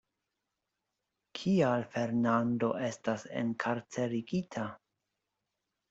Kial Fernando estas enkarcerigita?